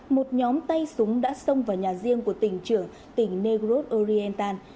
một nhóm tay súng đã xông vào nhà riêng của tỉnh trưởng tỉnh negros oriental